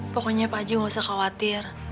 pokoknya pak haji gak usah khawatir